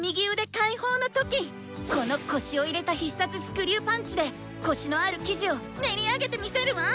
この腰を入れた必殺スクリューパンチで、コシのある生地を練り上げて見せるわ！